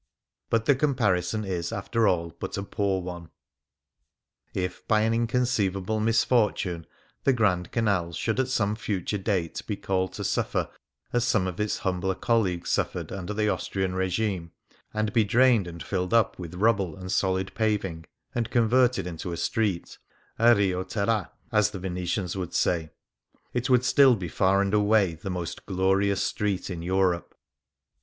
But the comparison is, after all, but a poor one. If by an inconceivable misfortune the Grand Canal should at some future date be called to suffer as some of its humbler colleagues suffered under the Austrian regime, and be drained and filled up with rubble and solid paving and converted into a street — a " Rio Terra," as the Venetians 29 Things Seen in Venice would say — it would still be far and away the most glorious street in Europe.